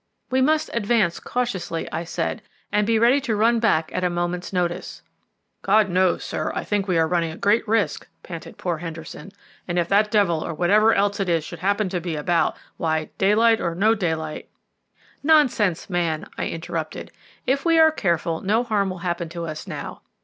"We must advance cautiously," I said, "and be ready to run back at a moment's notice." "God knows, sir, I think we are running a great risk," panted poor Henderson; "and if that devil or whatever else it is should happen to be about why, daylight or no daylight " "Nonsense! man," I interrupted; "if we are careful, no harm will happen to us now.